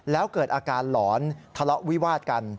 แล้วเกิดอาการหลอนทะเลาะวิวาดกัน